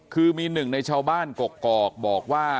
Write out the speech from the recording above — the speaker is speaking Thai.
คือมีหนึ่งในชาวบ้านกกอกบอกว่า